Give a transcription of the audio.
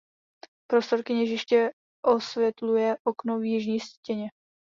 Prostor kněžiště osvětluje okno v jižní stěně.